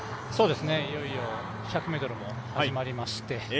いよいよ１００ｍも始まりまして。